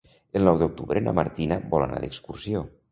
El nou d'octubre na Martina vol anar d'excursió.